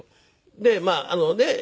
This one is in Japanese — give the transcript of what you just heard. でまああのねえ。